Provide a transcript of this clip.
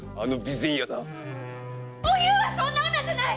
おゆうはそんな女じゃない！